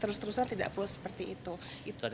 terus terusan tidak perlu seperti itu